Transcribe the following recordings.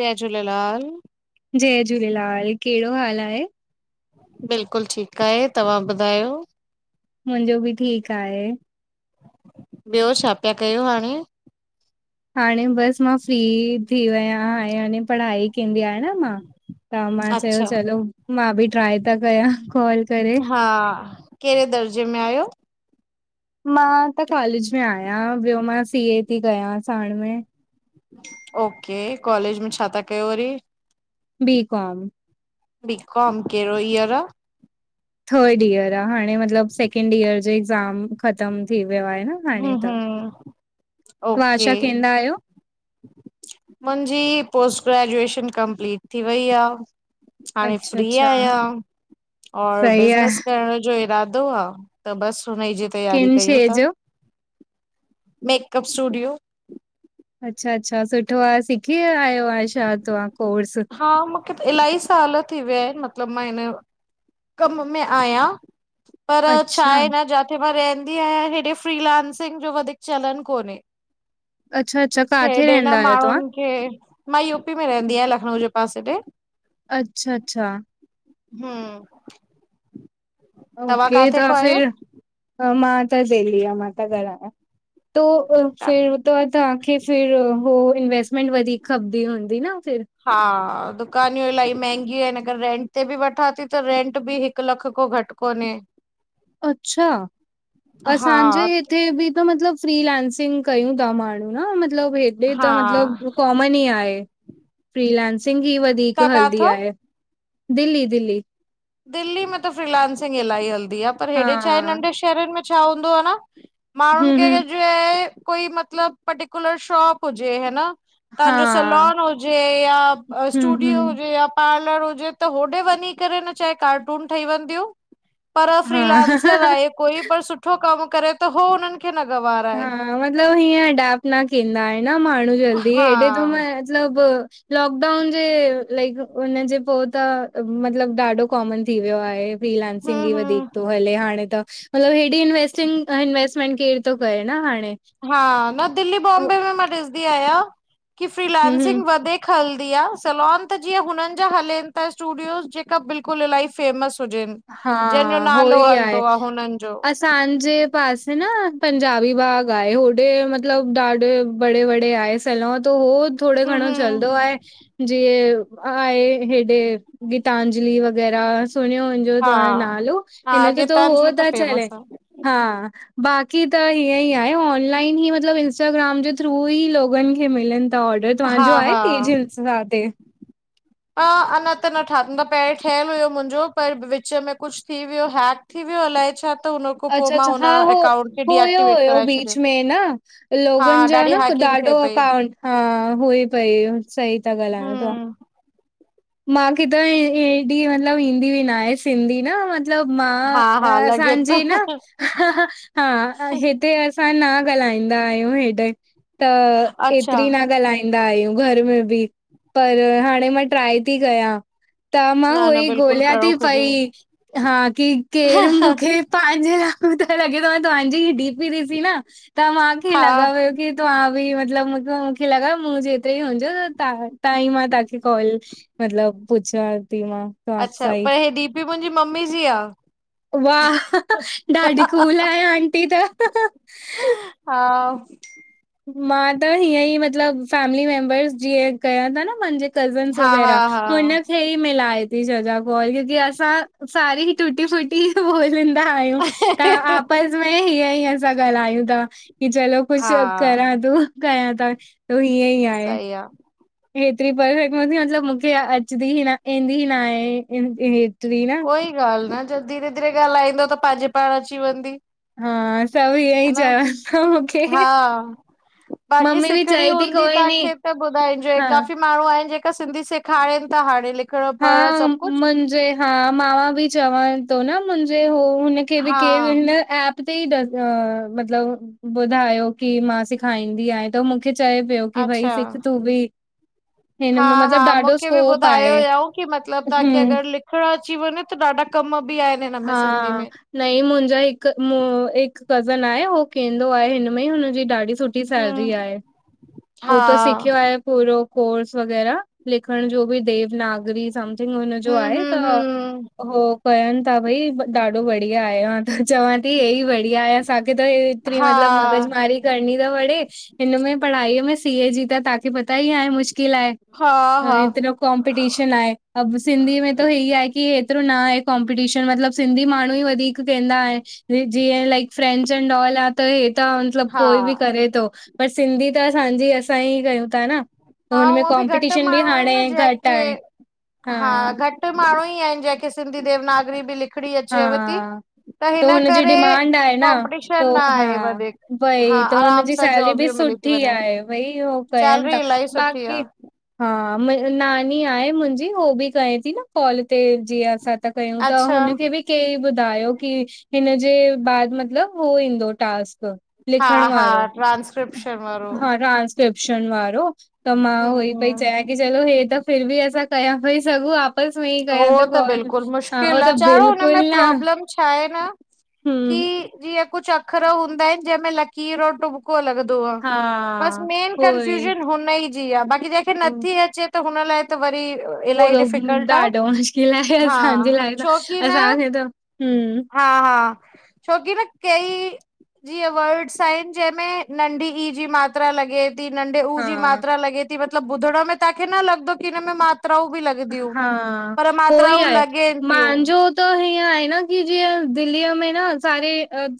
जय झूलेलाल जय झूलेलाल, कहिड़ो हाल आहे? बिल्कुलु ठीकु आहे तव्हां ॿुधायो? मुंहिंजो बि ठीकु आहे ॿियो छा पिया कयो हाणे हाणे बसि मां फ्री थी वयां आहिया हाणे पढ़ाई कंदी आहेय न मां त मां चयो अच्छा। चलो मां बि ट्राए त कयां कॉल करे हा कहिड़े दर्जे में आहियो मां त कॉलेज में आहियां, ॿियो मां सीए थी कयां साण में ओके कॉलेज में छा था कयो वरी बी कॉम बी कॉम कहिड़ो ईअर आ थर्ड इअर आ हाणे मतलबु सेकेंड इअर जो एग्ज़ाम ख़तम थी वियो आहे न हाणे हम्म त। हम्म तव्हां ओके। शा केंदा आहियो मुंहिंजी पोस्ट ग्रेजुएशन कंप्लीट थी वई आ हाणे अच्छा फ्री अच्छा आहियां और सही आहे बिजनेस करण जो इरादो आ त बस हुनजी जी तयारी किन कयूं शइ था जो? मेकअप स्टूडियो अच्छा, अच्छा सुठो आहे सिखी वई आयो आहेय छा तवहां कोर्स हा मूंखे त इलाही साल थी विया आहिनि मतलबु मां हिन कम में आहिया पर छा अच्छा, आहे न जा थे मां रहंदी आहियां हेॾे फ्रलांसिंग जो वधीक चलन कोन्हे अच्छा, अच्छा काथे रहंदा आहियो तव्हां के मां यूपी में रहंदी आहियां लखनऊ जे पासे ते अच्छा, अच्छा, अच्छा हूं अंऊँ के त खां आहियो? फिर अ मां त वेली आं मं त ॻालायां। तू फिर त तव्हांखे फिर हो इनवेस्टमेंट वधीक खपदी हूंदी न फिर,,, हा, दुकानियूं इलाही महंगियूं आहिनि, अगरि रेंट ते बि वठां ती त रेंट बि हिकु हिकु लख कों घट कोन्हे। अच्छा, हा असांजे हिते बि त मतलबु फ्रीलेंसिंग कयूं ता माण्हू न मतलबु हेॾे हा त मतलबु कॉमन ई आहे। फ्रीलेंसिंग ई वधीक तव्हां हलदी काथां? आहे, दिल्ली- दिल्ली दिल्ली में त फ्रिलायंसिंग इलाही हलदी आ, पर हा, हेॾे छाहे नंढे शहरनि में छा हूंदो आ न माण्हुनि हम्म, खे हम्म, छाए कोई मतलब पर्टिकुलर शॉप हुजे हे न तव्हांजो हा। सलोन, हुजे या हम्म स्टूडियो हम्म हुजे या पार्लर हुजे त होॾे वञी करे न चाहे कार्टून ठही वेंदियूं, पर हा फ्रीलांसर आहे, कोई पर सुठो कम करे त हो हुननि खे न गवारा आहे। न मतलब हीअं एडप्ट न केंदा इनि न माण्हू जल्दी हा हेॾे त मतलब लॉकडाउन जे लाइक उनजे पो त मतलब ॾाढो कॉमन थी वियो आहे। फ्रीलांसिंग ई हम्म वधीक हम्म तो हले हाणे त मतलबु हेॾी इंवेस्टिंग इंवेस्टमेंट केर तो करे न हाणे। हा, न दिल्ली, बॉम्बे में मां ॾिसदी आहियां की हम्म फ्रीलांसिंग हम्म वधीक हलदी आ, सलोन त जीअं हुननि जा हलेनि ता, स्टूडियोस जेका बिल्कुल इलाइ फेमस हुजेनि, हा जंहिंजो उहो नालो ई आहे हलदो आ हुननि जो। असांजे पासे न पंजाबी बाग आए होॾे मतलब ॾाढे बड़े बड़े आए लो त हो थोड़ो हम घणो हम चलंदो आहे। जीअं आहे हेॾे गीतांजली वग़ैरह सुणियो ॿियो हा तव्हांजो नालो हा हिन जो त हो गीतांजलि त ता चेले, फेमस आ हा। बाक़ी त हीअं ई आहे ऑनलाइन ई मतलबु इंस्टाग्राम जे थ्रू ई लोगनि खे मिलनि त ऑर्डर हा तव्हांजो आहे हा तेज हिल्स ते। अ अञा त न ठात न पए ठहियलु हुयो मुंहिंजो पर विच में कुछ थी वियो हैक थी विओ अलाय छा? त हुन खां पो अच्छा- मां अच्छा, हुन हा हो अकाउंट खे होयो डीएक्टिवेट यो कराए बीच छॾियो में न हा लोगनि जा ॾाढी न द हैकिंग थिए दो पई अकाउंट हा हू ई पई सही ता ॻाल्हाइण त्वहां। हम मांखे त एॾी मतलबु ईंदी बि नाहे सिंधी न, मतलब मां हा हा लॻे असांजी थो न हं- हं ते असां न ॻाल्हाईंदा आहियूं हेॾे त अच्छा एतिरी न ॻालाईं दायूं घर में बि पर हाणे मां ट्राए ती कयां, त मां न उहो न ई बिल्कुलु ॻोल्हियां करो ती कुझु पई हा की केर मूंखे तव्हांजे लाइ मुंखे लॻे तो मां तव्हांजी ई डी पी ॾिसी न त मांखे हा लॻा हुयो की तव्हां बि मतलबु मूंखे लॻा मूं जेतिरे ई हुजो त्हां ई मां तव्हांखे कॉल मतिलबु पुछां ती मां। तव्हां अच्छा सां ई। पर हे डीपी मुंहिंजी मम्मी जी आ।। वाह, ॾाढी कूल आयो आंटी त। हा। मां त हीअं ई मतलबु फैमिली मेंबर्स जीअं कया ता न मांजे कज़नस हा वगैर हा हुन हा खे ई मिलाए ती सघां कॉल क्यूं की असां सारे ई टूटी फूटी ई बोलिंदा आहियूं त आपसि में हीअं ईं असां ॻाल्हायूं ता की चलो कुछ हा करां तो कयां त त हीअं ई आहे। सही आ एतिरी परफेक्ट हूंदी मतलबु मूंखे अचंदी ई न ईंदी ही नाहे, हेतिरी न सई ॻाल्हि न जे धीरे- धीरे ॻाल्हाईंदो त पांजे पाण अची वेंदी। हा सभ इअ ह ई न चवं मूंखे। हा बाकी मम्मी बि सिखणी चए थी हूंदी कोई नी तांखे त ॿुधाइन्जो हा काफी। माण्हू आहिन जेका सिंधी सेखारीन ता हाणे लिख। हा मुंजे। हा मां बि चवांन थो न मुंजे हो हुनखे बि हा केर हिन एप। ते मतलब ॿुधायो की मां सिखारींदीयां त मूंख। चए पियो की भई सिख अच्छा तूं बि हिन में मतलब ॾाढो स्कोप आहे। कि मतलब तांखे हम्म अगर लिखण अची वञे त ॾाढा कम बि आहिन। हा। न इ मुंजो हिक एक कज़न आहे हो हू केंदो आहे हिन में हुनजी ॾाढी सुठ। सुठी सैलरी हम आहे हू हा त सिखियो आहे पूरो। कोर्स वग़ैरह लिखण जो बि देवनागरी समथिंग हुनजो हम आहे त। हम हम हो पयण। त भई ॾाढो बढ़िया आयो आ त चवां थी हे ई बढ़िया आहे असांखे त। एतरी हा मतलब मग़ज़ मारी। करणी त पड़े हिन में पढ़ाईअ में सीए जी त तांखे पता ई आहे मुश्किल आहे। हा ह, हा हेतरो कॉम्पिटीशन आहे, अब सिंधी में त ही आहे की हेतरो न आहे कम। ट्यूशन मतलब, सिंधी माण्हू ही वधीक केंदा आहिन, जीअं like French and all app. त हे त मतलब कोई बि हा करे तो पर सिंधी त असांजी असां ई कयूं था न? त हा हुनमें उअ बि घट कॉम्पिटिशन बि माण्हू आहिन हाणे न घटि जेके, आहे। हा घट माण्हू ई आहिन जेके। सिंधी देवनागरी बि लिखणी अचेव तीं? हा त, हुनजी डिमांड आहे न, त कॉम्पिटीशन न हा आहे वधीक हा भई त आराम हुनजी सां सैलेरी बि जॉबियूं सुठ। मिली थी सुठी वञनि आहे भई हो कयन था सैलरी इलाही सुठी आ बाक़ी। हा, नानी आहे मुंजी, हो बि कये थी न कॉल ते जीअं असां। था कयूं तां अच्छा हुनखे बि। कै ॿुधायो की, हिन जे बाद, मतलब हो ईन्दो टास्क। हा लिखण हा वारो, ट्रांस्क्रिप्शन वारो हा रास। किरप्शन वारो, त मां हम उह पई हम चये। की चलो, हे त फिर बि असां कयां पई सघूं, आपस में ई हो कांया त कॉल। बिल्कुलु हा, उह मुश्किल आ त चाणो बिल्कुल हुनमें न। प्रॉब्लम छा हे न की, हम्म जीअं कुछ अखर हूंदाईन जंहिंमें लकीर ओर टु। पो लॻंदो आं, हा बस मेन उहोई कंफ्यूजन हुन ई जी आं बाक़ी जहिंखे नथी अचे। त हुन लाइ त वरी। उह इलाही त डिफिकल्ट आ ॾाढो मुश्किल आहे हा असांजे लाइ त छोकी न असांखे त हं। हा- हा, छोकी न कई। जीअ वर्ड्स आहिन, जंहिंमें नंढी ई जी मात्रा लॻे। ती नंढे उऊ जी हा मात्रा लॻे थी मतलब ॿुधण में तांखे न लॻंदो, की हिन में मात्राऊ बि लॻ। हा, पो ही आहे लॻेनि थियूं मांजो। त हीअं आहे न की जीअं दिल्लीअ में, न सारे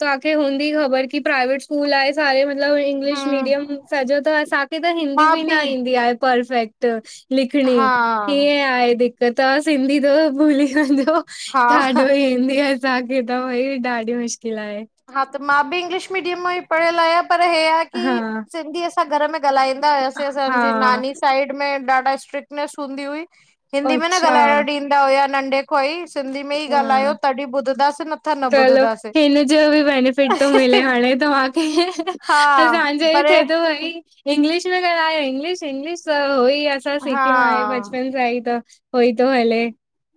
तां खे हूंदी ख़बर की प्राआइवेट। स्कूल आहे सारे मतलब इंग्लिश हम्म मीडियम सॼो त असांखे त हिंदी बि न ईंदी आहे परफेक्ट। त् लिखणी। हा हीअं आहे दिक़त तां सिंधी त भुली वञो। हा ॾाढो ई ईंदी आ। असांखे त भई, ॾाढी मुश्किल आहे। हा, त मां बि इंग्लिश मीडियम मां ई पढ़ियल आयां, पर हे आ की हा सिंधी। असां घर में ॻाल्हाईंदा हुआसींअसांजी हा नानी साइड में ॾाढा स्ट्रिकनेस हूंदी हुई। हिंदी में न अच्छा ॻाल्हाइणु ॾींदा हुया नंढे खां ई, सिंधी में ई हा ॻाल्हायो, तॾहिं ॿुधंदासीं न। त न चलो, ॿुधंदासीं हिन जो बि बेनेफिट थो मिले हाणे त मांखे, हा असांजे ई पर थिए थो भई। इंग्लिश में ॻालाआहयो इंग्लिश- इंग्लिश त उहो ई असां हा सिखियो आहे, बचपन सां ई त होई तो हले।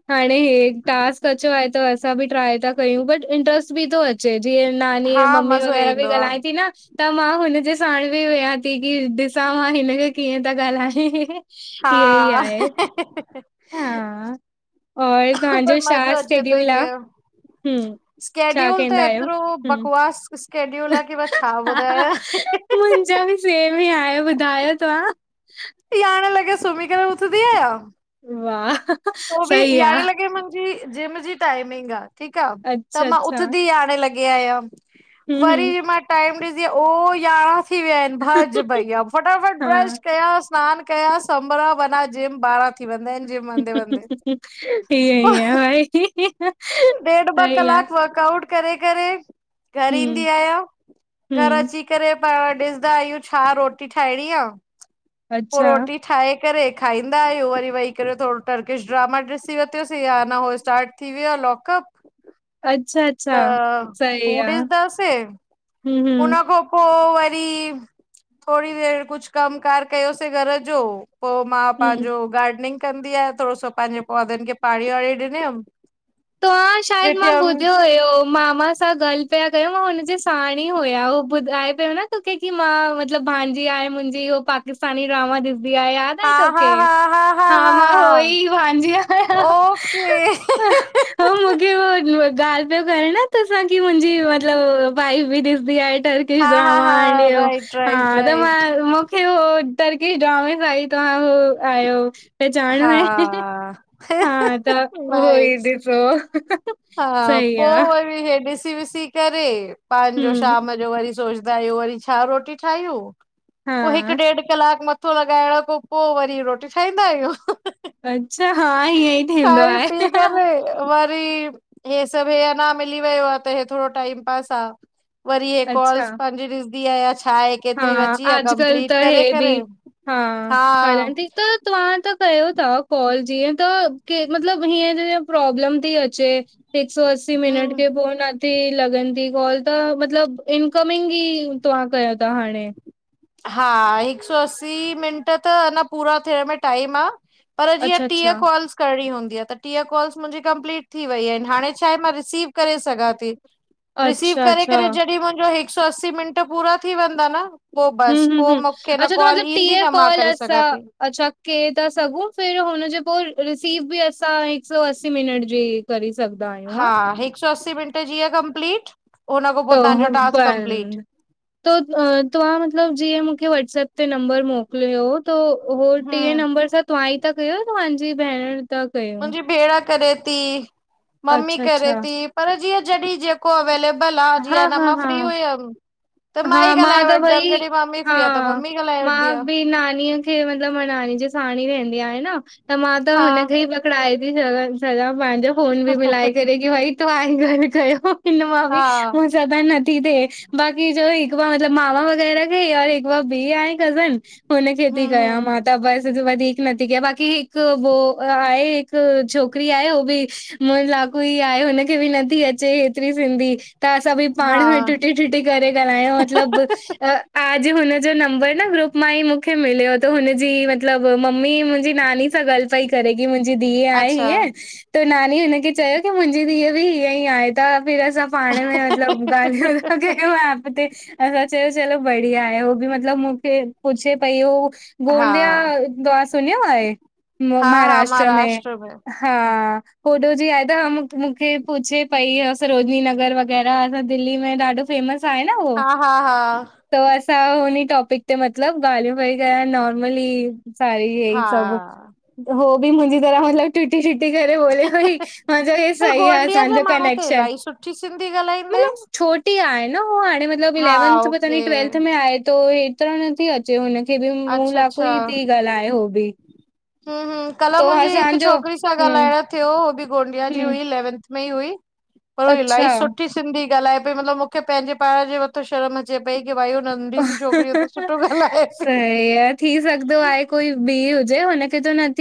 हाणे हे टास्क अचो आहे, त असां बि ट्राए था कयूं, बट इंट्र्स्ट बि थो अचे, जीअं नानी हा मम्मी मज़ो वग़ैरह बि ईंदो आ ॻाल्हाए थी न! त मां हुनजे साण बि वेहा थी कि ॾिसां मां हिनखे कीअं तां ॻाल्हाये? हा इयई आहे, हा। और पर तहांजो मज़ो छा अचे थो स्टेड्यूल आं? हीअं हम, छा स्केड्यूल त कैंदा आहियो? एतिरो बकवास स्केड्यूल आहे कि मां छा ॿुधायां? बिल भि आयो ॿुधायो तव्हां। यांरें लॻे सुमी करे उथदीे आहयां। वाह। तो बि, सही आ। यारें लॻे मन मुंजी जिम जी टाइमिंग आ, ठीक आ, त अच्छा, मां अच्छा। उथंदी यारें लॻे आयां। हूं, वरी हूं। जे मां टाइम ॾिसी, ओ यारहां थी वया आहिन! भॼ भईया, फटाफट ब्रश हा। कयास सनानु कया, संभरां, वंञा जिम, ॿारहां थी वेंदा आहिन जिम वेंदें -वेंदे। ईअं- ईअं ईयही आ भाई। ॾेढ ॿ कलाक वर्कआउट करे- करे, घर हूं, ईंदी आहियां। घर अची घर हूं। अची करे पो ॾिसदा आहियूं छा रोटी ठाहिणी आ? पोइ अच्छा, रोटी ठाहे करे खाईंदा आहियूं, वरी वेही करे थोड़ो टर्किश ड्रामा डिस ॾिसि वतो सी, या नयो स्टार्ट थी वियो आ लॉकअप अच्छा अच्छा, त हू सही आ। ॾिसंदासीं हूं, उन हूं, खां पो पो वरी थोड़ी देर कुझ कम कार कयोसीं घर जो पो मां हूं। पंहिंजो गार्डनिंग कंदी आहियां, थोड़ो सो पंहिंजे पौधनि खे पाणी वाणी ॾिनम। तव्हां शायद मां ॿुधियो हुयो! मामा सां ॻाल पिया कयोय मां हुनजे साण ई हुया, उो ॿुधाए पियो न तोखे कि मां मतलब भांजी आहे मुंजी, उहो पाकिस्तानी ड्रामा ॾिसंदी आहे, याद आए तोखे? हा मां उह ई भांजी आयां। ओके हो मूंखे उह ॻाल पियो करे न त असांजी कि मुंजी मतलब भाई बिद इज द एंड टर्कीस हा हा ड्रामा हा एंड हुअ राइट राइट मां राइट हो टर्किशरकश ड्रामा सां इ, तव्हां हो आयो पहचाणो हा आ। हा त उह ई नाइस ॾिसो! हा सही पो आ वरी हे ॾिसी विसी करे पंहिंजो हम्म शाम जो वरी सोच आयो वरी छा रोटी ठाहि्यूं, पो हिकु हा ॾेढ कलाक म मथो लॻाइण खां पो वरी रोटी ठाहींदा आहियूं। अच्छा! हा हीअं ई थींदो खाई पी आहे। करे वरी हे सभु हे अंञा मिली वयो आ, हे थोड़ो टाइम पास आ। वरी हे अच्छा कॉल्स पंहिंजी ॾिसंदी आहिया, छा आहे? हा केतिरी बची आ अॼकल्ह त कंप्लीट हे करे बि, करे हा हल ठीक त तव्हां त कयो था कॉल जीअं त के मतलब हीअं प्रॉब्लम थी अचे हिकु सौ असी मिनट हम्म खे पोन न ते लॻंदी कॉल त, मतलबु इनकमिंग ई तव्हां कयो था हाणे हा हिक सौ असीं मिंट त अञा पूरा थियण में टाइम आ पर जीअं अच्छा टीह अच्छा कॉल्स करणी हूंदी आ त टीह कॉल्स मुंहिंजी कंप्लीट थी वई आहिनि, हाणे छा आहे मां रिसीव करे सघां थी रिसीव अच्छा करे अच्छा करे जॾहिं मुंहिंजो हिक सौ असी मिंट पूरा थी वेंदा न पो बस हम्म हम्म पो हम्म, मूंखे न अच्छा त कॉल मतलब ईंदी टीए न मां कॉल करे असा सघां थी। अच्छा के था सघूं, फिर हुन जेको रिसीव बि असां हिक सौ असी मिनट जी करे सघदा आहियू हा हिक सौ असी मिंट जीअ कंपलीट, हुन खां त पो तव्हांजो हो टास्क कंपलीट। बंद त तव्हां मतलबु जीअं मूंखे वॉट्सप ते नंबर मोकिलियो हो त हो टे हम्म नंबर सां तव्हां ई था कयो या तव्हांजी भेण? था कयूं? मुंहिंजी भेण करे थी, मम्मी अच्छा, करे अच्छा। थी पर जीअं जॾिह जेको अवेलेबल आ, जीअ हा, न हा, मां हा। फ्री हुयम हा मां त भई हा, फ्री आ त मम्मी ॻाल्हाए वठंदी आ। मां भी नानीअ खे कि मतलब मा नानी जे साण ही रेहंदीं आय न त मां त हा हुनजे ई पकड़ाए थी सघां सघां पंहिंजो फोन बि मिलाए करे, कि भई तूं गालियू कयो हिन मां हा बि [unintelligible] नथी थे [unintelligible] [unintelligible] हिकु बार मतिलब मामा वगैर जी, हिक ॿ ॿी आहे कज़न हुनखे ती हूं हूं कयां मां त बस [unintelligible] नती कया बाक़ी हिकु वो आहे हिकु छोकिरी आहे हो भी मु वागुंर ई आहे हुनखे बि नथी अचे हेतिरी सिंधी त असां बि हा पाण में टुटी टुटी करे ॻाल्हायूं मतलब आजु हुनजो नंबर न ग्रुप मां ई मूंखे मिलियो त हुनजी मतलब मम्मी मुंहिंजी नानी सां ॻाल्हि पई करे कि मुंहिंजी धीउ आहे अच्छा हीअं त नानी ऊन खे चयो की मुंहिंजी धीअ बि हीअं ई आहे त फिर असां पाण में मतलब ॻाल्हिूं [unintelligible] [unintelligible] असां चयो चलो बढ़िया आहे उहो बि मतिलब मूंखे पुछे पई हू हा गोंदिया द्वार सुञियो आहे म महाराष्ट्र में? हा होॾो जी आहे त मूंखे पुछे पई सरोजनी नगर वग़ैरह असां दिल्ली में ॾाढो फेमस आहे न उहो? हा हा हा त असां होन टॉपिक ते मतिलब ॻाल्हियूं पई कया नॉर्मली सारी हे ई हा सभु, हो बि मुंहिंजी तरह मतलबु टूटी टू टूटी करे ॿोले पई मां चयो हे पर सही आहे गोंडिया जा असाजों माण्हू त कनेक्शन, इलाही सुठी सिंधी ॻाल्हाईंदा मतलब आहिनि छोटी आहे न उ हाणे मतलब हा इलेवंथ में तनी ओके ट्वेल्थ में आहे थो हेतिरा नथी अचे चयो हुनखे बि मूं अच्छा लाए ई कुर अच्छा थी ॻाल्हाए हो भी हूं हूं, कल मुंहिंजी हिक छोकिरी सां हम्म ॻाल्हाइण थियो, हो बि गोंडिया जी हम्म हुई इलेवंथ में ई हुई, पर इलाही अच्छा सुठी सिंधी ॻाल्हाए पई मतिलब मुखे पंहिंजे पाण जे मथूं शर्म चए पई की भाई हू नंढी सी छोकिरीअ त सुठो ॻाल्हाएती सही आहे, थी सघंदो आहे कोई ॿी हुजे हुनखे जो न